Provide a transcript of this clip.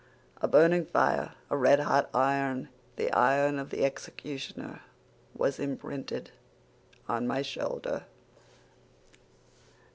A burning fire, a red hot iron, the iron of the executioner, was imprinted on my shoulder."